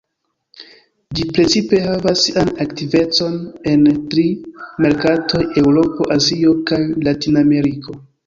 Ĝi precipe havas sian aktivecon en tri merkatoj: Eŭropo, Azio kaj Latinameriko.